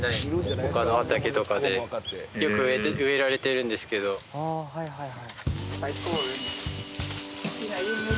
他の畑とかでよく植えられてるんですけどあははは！